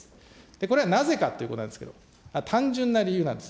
これ、なぜかということなんですけど、単純な理由なんです。